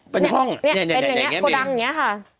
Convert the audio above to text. เป็นห้องเนี่ย